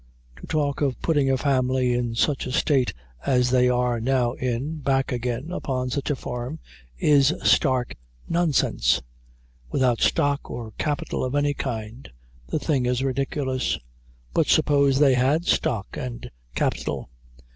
To talk of putting a family, in such a state as they are now in, back again, upon such a farm, is stark nonsense without stock or capital of any kind the thing is ridiculous." "But suppose they had stock and capital?"